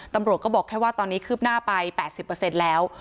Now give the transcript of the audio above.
ตำรวจก็บอกแค่ว่าตอนนี้คืบหน้าไป๘๐แล้ว